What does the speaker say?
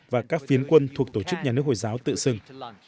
và các phiến quân thuộc tổ chức nhà nước hồi giáo tự xưng